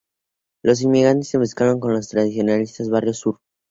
Los inmigrantes se mezclaron con el tradicionalista Barrio Sur.